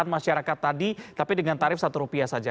masyarakat tadi tapi dengan tarif rp satu saja